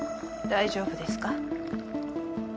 大丈夫です。